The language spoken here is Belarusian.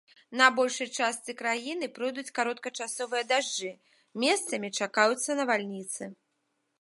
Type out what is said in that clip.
На большай частцы краіны пройдуць кароткачасовыя дажджы, месцамі чакаюцца навальніцы.